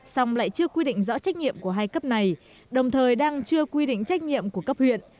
xong lại chưa quy định rõ trách nhiệm của hai cấp này đồng thời đang chưa quy định trách nhiệm của cấp huyện